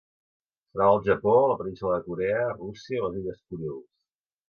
Es troba al Japó, la Península de Corea, Rússia i les Illes Kurils.